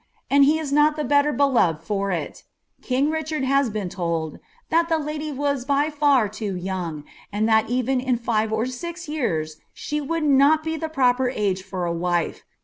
and he is not ilie better beloved for iL King Kii^hard has bran luld ' that the lady was by far loo young, and thai uvcn in live or ta years she would Dot he the proper age for a wife.'